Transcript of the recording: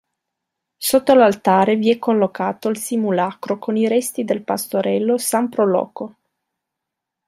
Sotto l'altare vi è collocato il simulacro con i resti del pastorello San Procolo.